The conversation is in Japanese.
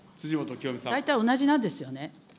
大体同じなんですよね。